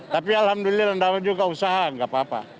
tapi alhamdulillah landaman juga usaha gak apa apa